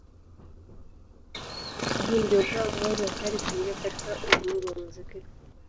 Na huu ndio ukawa mwanzo wa Carey kuingia katika ulimwengu wa muziki.